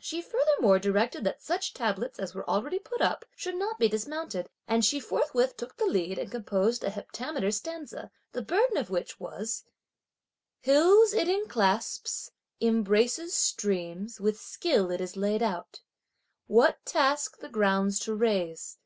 She furthermore directed that such tablets as were already put up, should not be dismounted, and she forthwith took the lead and composed an heptameter stanza, the burden of which was: Hills it enclasps, embraces streams, with skill it is laid out: What task the grounds to raise!